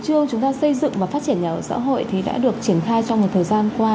trương chúng ta xây dựng và phát triển nhà ở xã hội thì đã được triển khai trong một thời gian qua